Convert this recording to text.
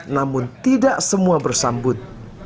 namun tidak semua bersambut